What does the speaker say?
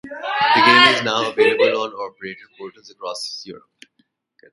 The game is now available on operator portals across Europe.